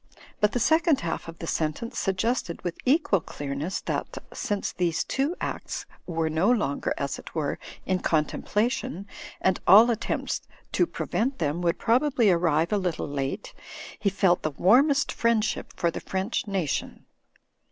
But the second half of the sentence sug gested with equal clearness that, since these two acts were no longer, as it were, in contemplation, and all attempts to prevent them would probably arrive a little late, he felt the warmest friendship for the French nation.